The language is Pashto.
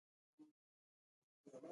په غالۍ باندې ناست خلک آرام احساسوي.